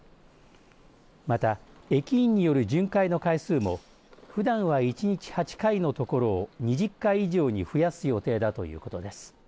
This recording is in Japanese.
また、駅員による巡回の回数もふだんは１日８回のところを２０回以上に増やす予定だということです。